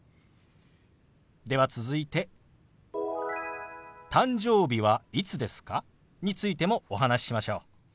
では続いて「誕生日はいつですか？」についてもお話ししましょう。